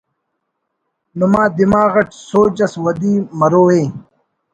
نما دماغ اٹ سوج اس ودی مرو ءِ